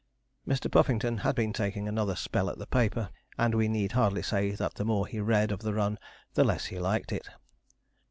Mr. Puffington had been taking another spell at the paper, and we need hardly say that the more he read of the run the less he liked it.